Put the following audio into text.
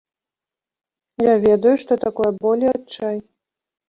Я ведаю, што такое боль і адчай.